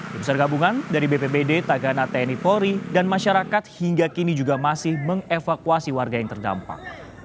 besar gabungan dari bpbd tagana tni polri dan masyarakat hingga kini juga masih mengevakuasi warga yang terdampak